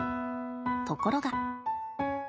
ところが。